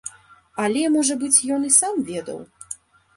Але, можа быць, ён і сам ведаў.